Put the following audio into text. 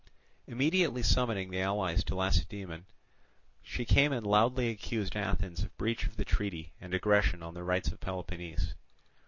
Immediately summoning the allies to Lacedaemon, she came and loudly accused Athens of breach of the treaty and aggression on the rights of Peloponnese.